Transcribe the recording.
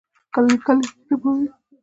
لیکلي یا شفاهی؟